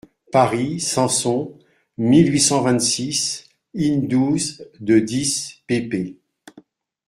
Paris, Sanson, mille huit cent vingt-six, in-douze de dix pp.